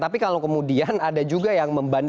tapi kalau kemudian ada juga yang membandel